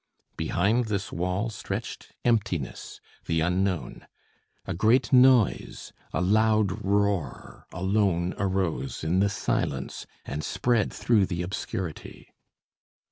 Behind this wall stretched emptiness, the unknown. A great noise, a loud roar, alone arose in the silence and spread through the obscurity.